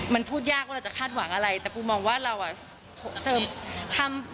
มันพูดยากว่าเราจะคาดหวังอะไรแต่ปูมองว่าเราอ่ะเสริมทำ